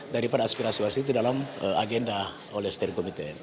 daripada aspirasi aspirasi itu dalam agenda oleh stereo komite